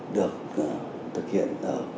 được thực hiện